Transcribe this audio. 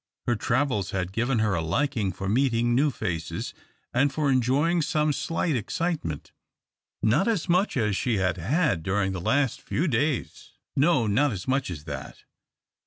Her travels had given her a liking for meeting new faces, and for enjoying some slight excitement. Not as much as she had had during the last few days no, not as much as that.